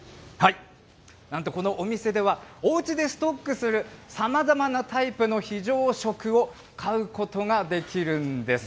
なんとこのお店では、おうちでストックするさまざまなタイプの非常食を買うことができるんです。